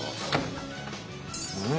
うん！